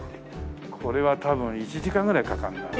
これは多分１時間ぐらいかかるな。